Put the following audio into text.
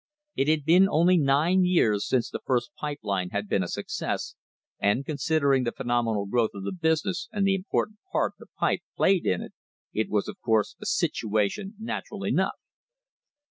It had been only nine| years since the first pipe line had been a success, and consider ^ ing the phenomenal growth of the business and the important part the pipe played in it, it was of course a situation natural; enough.